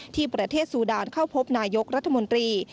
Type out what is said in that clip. ที่ประเทศซูดานเข้าพบนายกรัฐมนตรี